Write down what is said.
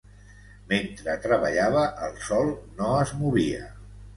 Mentre treballava el sol no es movia.